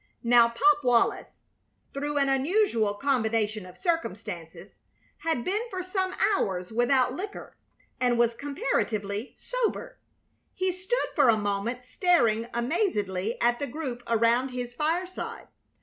Now Pop Wallis, through an unusual combination of circumstances, had been for some hours without liquor and was comparatively sober. He stood for a moment staring amazedly at the group around his fireside.